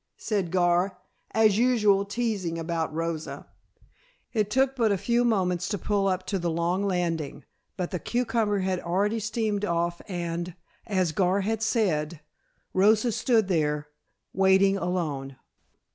said Gar, as usual teasing about Rosa. It took but a few moments to pull up to the long landing, but the Cucumber had already steamed off and, as Gar had said, Rosa stood there, waiting alone.